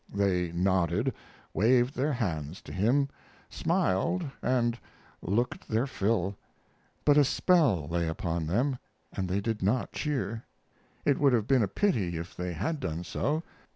They nodded, waved their hands to him, smiled, and looked their fill; but a spell lay upon them, and they did not cheer. It would have been a pity if they had done so.